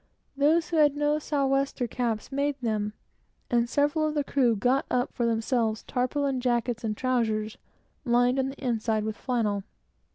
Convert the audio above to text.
Those who had no south wester caps, made them, and several of the crew made themselves tarpaulin jackets and trowsers, lined on the inside with flannel.